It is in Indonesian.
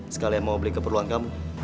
sekalian mau beli keperluan kamu